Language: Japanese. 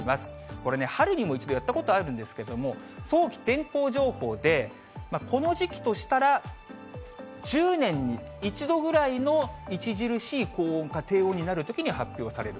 これね、春にも一度やったことがあるんですけど、早期天候情報で、この時期としたら、１０年に１度ぐらいの著しい高温か低温になるときに発表される。